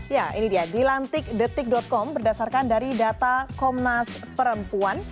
ya ini dia dilantik detik com berdasarkan dari data komnas perempuan